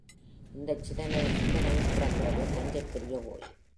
இந்தச் சிந்தனையில் பிறக்கிறது தஞ்சைப் பெரிய கோயில்.